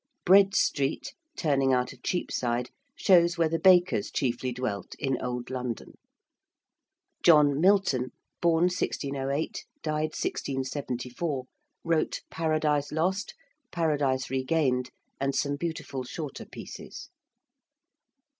~Bread Street~, turning out of Cheapside, shows where the bakers chiefly dwelt in Old London. ~John Milton~ (born 1608, died 1674) wrote 'Paradise Lost,' 'Paradise Regained,' and some beautiful shorter pieces.